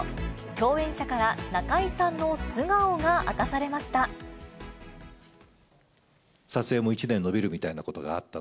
共演者から中井さんの素顔が明かされました。